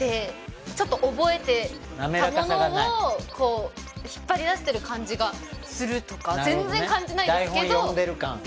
ちょっと覚えてたものをこう引っ張り出してる感じがするとか全然感じないんですけどなるほどね